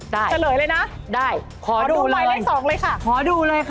ได้ตลยเลยนะขอดูหมายเลขสอง